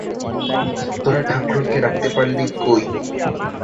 তোরা ঠাকরুনকে রাখতে পারলি কৈ?